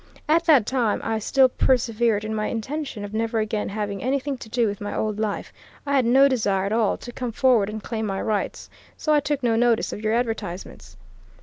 "At that time I still persevered in my intention of never again having anything to do with my old life. I had no desire at all to come forward and claim my rights. So I took no notice of your advertisements."